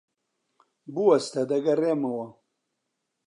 بوەستە. دەگەڕێمەوە.